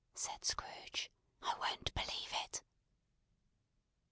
said Scrooge. "I won't believe it."